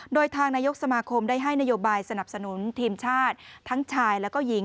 โดยทางนายกสมาคมได้ให้นโยบายสนับสนุนทีมชาติทั้งชายแล้วก็หญิง